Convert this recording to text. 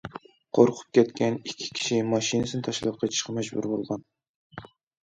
قورقۇپ كەتكەن ئىككى كىشى ماشىنىسىنى تاشلاپ قېچىشقا مەجبۇر بولغان.